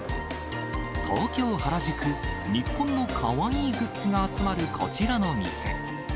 東京・原宿、日本のかわいいグッズが集まるこちらの店。